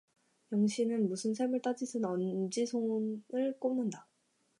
영신은 무슨 셈을 따지듯 엄지손을 꼽는다.